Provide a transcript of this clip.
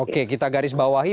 oke kita garis bawahi